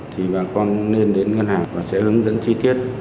thì bà con nên đến ngân hàng và sẽ hướng dẫn chi tiết